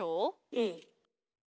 うん。